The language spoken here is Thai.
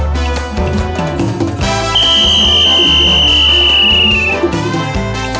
พี่น้องมิดเต้น